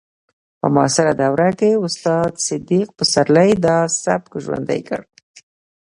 په معاصره دوره کې استاد صدیق پسرلي دا سبک ژوندی کړ